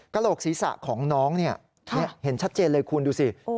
โหลกศีรษะของน้องเห็นชัดเจนเลยคุณดูสิ